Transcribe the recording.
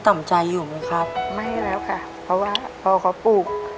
ต่ำใจอยู่ไหมครับไม่แล้วค่ะเพราะว่าพอเขาปลูก